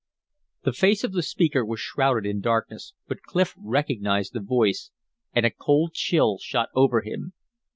The face of the speaker was shrouded in darkness, but Clif recognized the voice, and a cold chill shot over him.